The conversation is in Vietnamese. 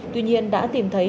tuy nhiên đã tìm thấy